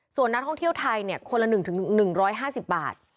ส่วนนักท่องเที่ยวไทยเนี่ยคนละหนึ่งถึงหนึ่งร้อยห้าสิบบาท